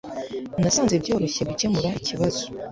Nasanze byoroshye gukemura ikibazo